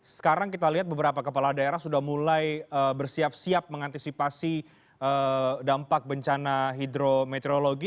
sekarang kita lihat beberapa kepala daerah sudah mulai bersiap siap mengantisipasi dampak bencana hidrometeorologi